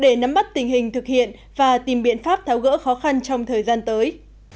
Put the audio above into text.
để nắm bắt tình hình thực hiện và tìm biện pháp tháo gỡ khó khăn trong thời gian tới